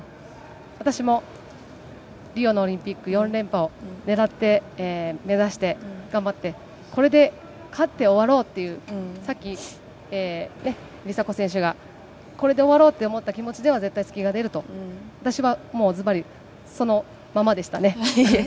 私もリオのオリンピック、４連覇を狙って、目指して頑張って、これで勝って終わろうっていう、さっき、梨紗子選手がこれで終わろうと思った気持ちでは絶対隙が出ると、私はもうずばり、そのままでしたね。